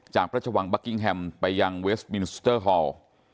พระชวังบัคกิ้งแฮมไปยังเวสมินสเตอร์ฮอล์